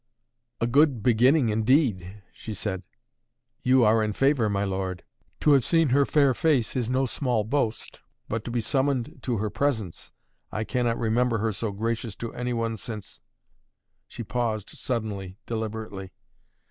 "A good beginning indeed!" she said. "You are in favor, my lord! To have seen her fair face is no small boast, but to be summoned to her presence I cannot remember her so gracious to any one, since " she paused suddenly, deliberately.